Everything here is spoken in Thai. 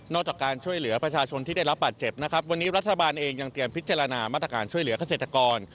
จากการช่วยเหลือประชาชนที่ได้รับบาดเจ็บนะครับวันนี้รัฐบาลเองยังเตรียมพิจารณามาตรการช่วยเหลือกเกษตรกร